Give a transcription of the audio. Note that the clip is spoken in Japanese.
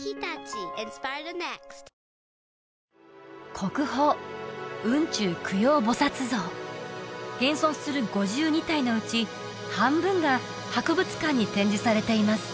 国宝雲中供養菩薩像現存する５２体のうち半分が博物館に展示されています